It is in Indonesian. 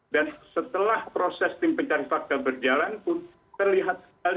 dan setelah proses tim pencari fakta berjalan pun terlihat